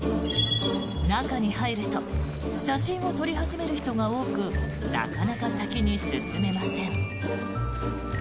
中に入ると写真を撮り始める人が多くなかなか先に進めません。